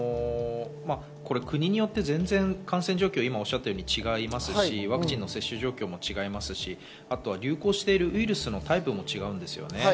国によって感染状況は全然違いますし、ワクチンの接種状況も違いますし、流行しているウイルスのタイプも違うんですよね。